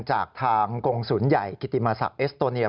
จากทางกงศูนย์ใหญ่กิติมาศักดิ์เอสโตเนีย